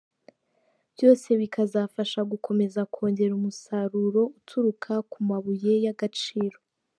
Byose bikazafasha gukomeza kongera umusaruro uturuka ku mabauye y’agaciro.